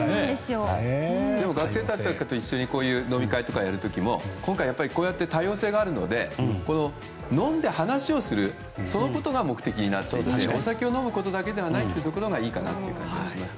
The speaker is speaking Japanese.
でも学生たちと一緒にこういう飲み会とかやる時も今回、やっぱりこうして多様性があるので飲んで話をするそのことが目的になっていてお酒を飲む目的だけではないところがいいかなと思います。